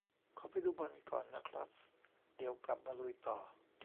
ขอไปดูบอลก่อนนะครัส เดี๋ยวกลับมาลุยต่อ